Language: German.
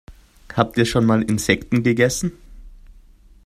Habt ihr schon mal Insekten gegessen?